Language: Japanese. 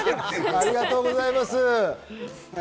ありがとうございます。